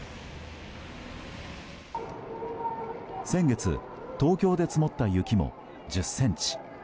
先月、東京で積もった雪も１０ｃｍ。